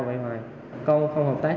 vậy hoài không hợp tác